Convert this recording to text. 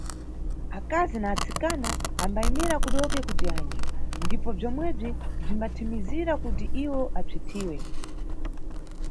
Akazi na atsikana ambayimira kudoke kuti anye, ndipo bzomwebzi bzimbathimizira kuti iwo asvithiwe.